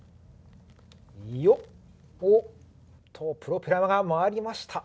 おっ、プロペラが回りました。